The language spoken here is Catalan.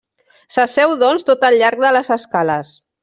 S'asseu, doncs, tot al llarg de les escales.